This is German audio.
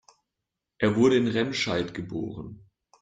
Er wurde in Remscheid geboren